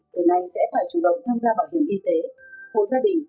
từ nay sẽ phải chủ động tham gia bảo hiểm y tế hồ gia đình